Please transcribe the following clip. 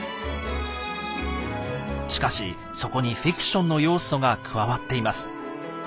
しかしそこにフィクションの要素が加わっています。